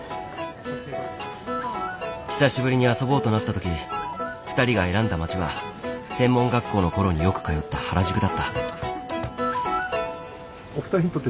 久しぶりに遊ぼうとなったとき２人が選んだ街は専門学校のころによく通った原宿だった。